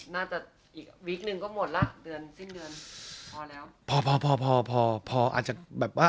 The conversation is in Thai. น่าจะอีกวิคหนึ่งก็หมดละเดือนสิ้นเดือนพอแล้ว